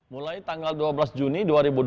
mulai tanggal dua belas juni dua ribu dua puluh